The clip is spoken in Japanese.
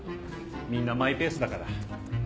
みんなマイペースだから。